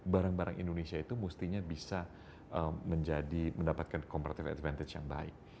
barang barang indonesia itu mestinya bisa menjadi mendapatkan comperative advantage yang baik